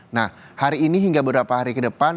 nah hari ini hingga beberapa hari ke depan